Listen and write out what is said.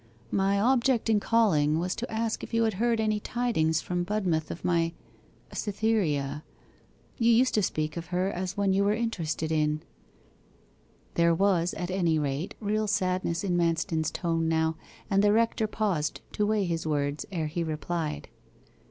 'My object in calling was to ask if you had heard any tidings from Budmouth of my Cytherea. You used to speak of her as one you were interested in.' There was, at any rate, real sadness in Manston's tone now, and the rector paused to weigh his words ere he replied.